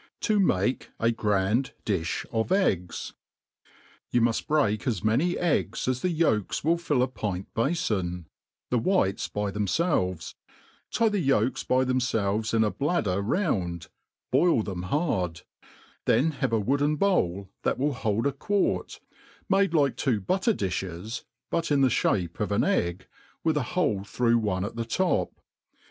Ti mate a grand Dtjh of Eggs. YOy muft break as many eggs as the volks will fill a pint bafon, the whites by themfelves, tie the yolks by themfelves in a bladder round, boil them hard : then have a wooden bowl that will hold a quart, made like two butter difhes, but in the fhape of an egg, with a hole through one at the top.